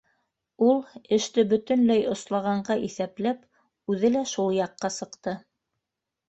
Ул, эште бөтөнләй ослағанға иҫәпләп, үҙе лә шул яҡҡа сыҡты.